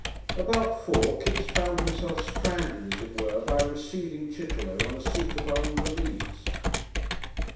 About four Kipps found himself stranded, as it were, by a receding Chitterlow on a seat upon the Leas.